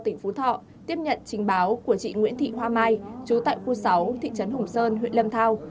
tỉnh phú thọ tiếp nhận trình báo của chị nguyễn thị hoa mai chú tại khu sáu thị trấn hùng sơn huyện lâm thao